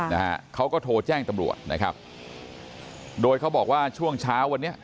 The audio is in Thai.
นะฮะเขาก็โทรแจ้งตำรวจนะครับโดยเขาบอกว่าช่วงเช้าวันนี้